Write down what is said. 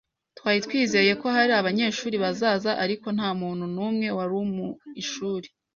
Twari twizeye ko hari abanyeshuri bazaza, ariko nta muntu n'umwe wari mu ishuri.